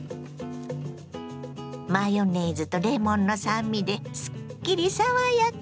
マヨネーズとレモンの酸味ですっきり爽やか。